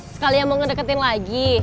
sekalian mau ngedeketin lagi